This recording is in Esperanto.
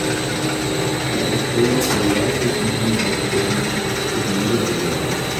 La espero forlasis min ofte, sed ne la volo.